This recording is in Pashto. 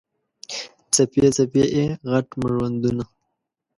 څپې، څپې یې، غټ مړوندونه